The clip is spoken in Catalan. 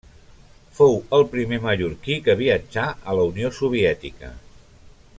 Fou el primer mallorquí que viatjà a la Unió Soviètica.